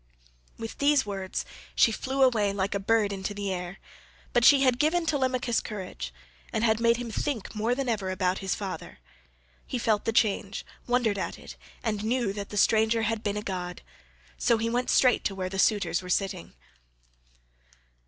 With these words she flew away like a bird into the air, but she had given Telemachus courage, and had made him think more than ever about his father. He felt the change, wondered at it, and knew that the stranger had been a god, so he went straight to where the suitors were sitting.